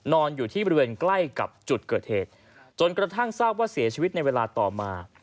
นอนอยู่ที่บริเวณใกล้กับจุดเกิดเหตุจนกระทั่งทราบว่าเสียชีวิตในเวลาต่อมา